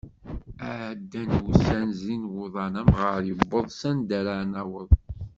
Ɛeddan wussan zrin wuḍan amɣar yewweḍ s anda ara naweḍ.